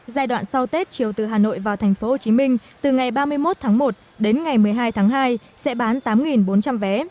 giai đoạn sau tết chiều từ hà nội vào tp hcm từ ngày ba mươi một tháng một đến ngày một mươi hai tháng hai sẽ bán tám bốn trăm linh vé